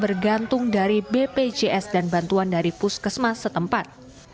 bergantung dari bpjs dan bantuan dari puskesmas setempat